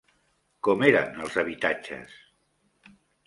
Com eren els habitatges?